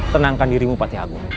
tenangkan dirimu mupati agung